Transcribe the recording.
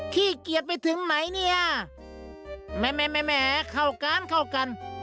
ขี้เกียจไปถึงไหนเนี้ยแหมแหมแหมแหมเข้าการเข้ากัน